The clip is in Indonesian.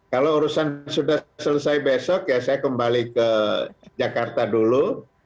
kalau urusan sudah selesai besok ya saya kembali ke jakarta dulu